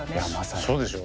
そうでしょう。